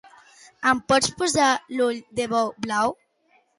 Em pots posar l'ull de bou blau?